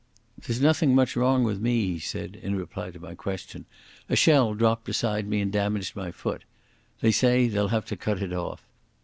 "There's nothing much wrong with me," he said, in reply to my question. "A shell dropped beside me and damaged my foot. They say they'll have to cut it off....